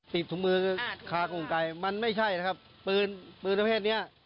ติดถุงมือคลากลุ่มไกลมันไม่ใช่นะครับปืนชมละเฟศนี้